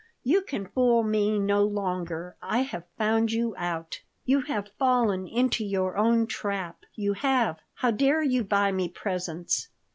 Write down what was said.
You can fool me no longer. I have found you out. You have fallen into your own trap. You have. How dare you buy me presents?"